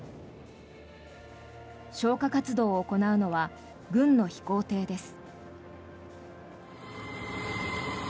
消火活動を行うのは軍の飛行艇です。